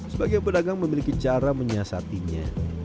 sebagai pedagang memiliki cara menyiasatinya